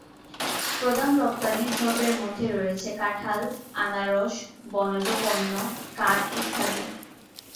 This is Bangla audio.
প্রধান রপ্তানি দ্রব্যের মধ্যে রয়েছে কাঁঠাল, আনারস, বনজ পণ্য, কাঠ ইত্যাদি।